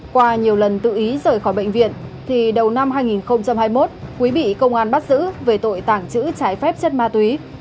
qua nhiều lần tự ý rời khỏi bệnh viện thì đầu năm hai nghìn hai mươi một quý bị công an bắt giữ về tội tàng trữ trái phép chất ma túy